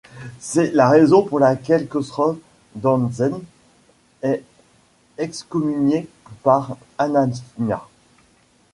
C’est la raison pour laquelle Khosrov d'Andzev est excommunié par Anania.